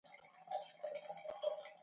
نومېرمن یې هم ورسره ژوندۍ ښخوله.